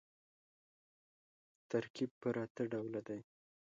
ترکیب پر اته ډوله دئ.